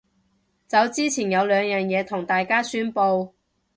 走之前有兩樣嘢同大家宣佈